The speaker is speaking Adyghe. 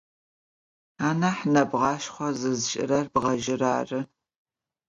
Anah nebğoşşxo zış'ırer bğezjır arı.